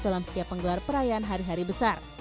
dalam setiap penggelar perayaan hari hari besar